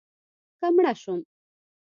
که مړه شوم